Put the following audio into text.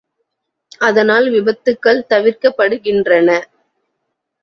அதனால் விபத்துகள் தவிர்க்கப்படுகின்றன.